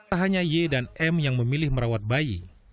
tak hanya y dan m yang memilih merawat bayi